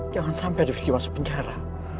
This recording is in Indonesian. jangan sampai review masuk penjara